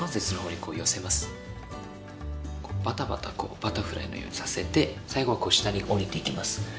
バタバタバタフライのようにさせて最後はこう下に下りていきます。